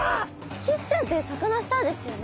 キスちゃんってサカナスターですよね。